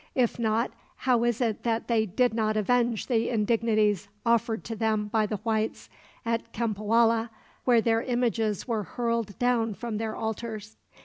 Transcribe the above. If not, how is it that they did not avenge the indignities offered to them by the whites, at Cempoalla, where their images were hurled down from their altars?